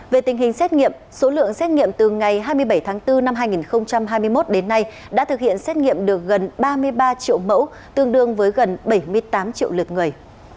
về tình hình xét nghiệm số lượng xét nghiệm từ ngày hai mươi bảy tháng bốn năm hai nghìn hai mươi một đến nay đã thực hiện xét nghiệm được gần ba mươi ba triệu mẫu tương đương với gần bảy mươi tám triệu lượt người